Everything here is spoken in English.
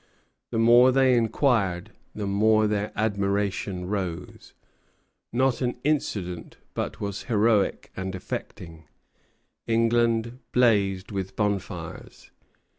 The more they inquired, the more their admiration rose. Not an incident but was heroic and affecting." England blazed with bonfires.